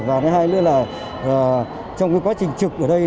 và hai lứa là trong quá trình trực ở đây